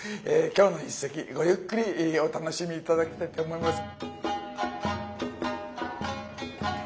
今日の一席ごゆっくりお楽しみ頂きたいと思います。